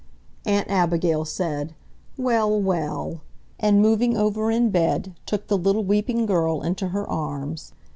Aunt Abigail said, "Well, well!" and moving over in bed took the little weeping girl into her arms.